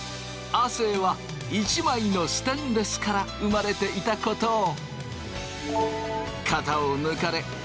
亜生は一枚のステンレスから生まれていたことを。